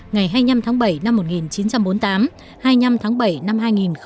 ngày hai mươi năm tháng bảy năm một nghìn chín trăm bốn mươi tám hai mươi năm tháng bảy năm hai nghìn một mươi chín